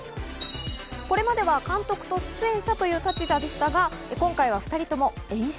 これまでは監督と出演者という立場でしたが、今回は２人とも演出